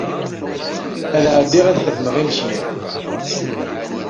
Ad ɛeddiɣ ad xedmeɣ imekli.